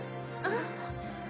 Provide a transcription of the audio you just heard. あっ。